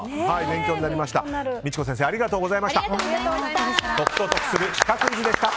勉強になりました。